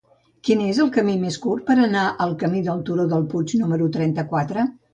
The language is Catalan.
Quin és el camí més curt per anar al camí del Turó del Puig número trenta-quatre?